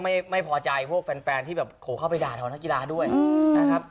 แล้วก็ไม่พอใจพวกแฟนที่เข้าไปด่าท้อนักกีฬาด้วยนะครับ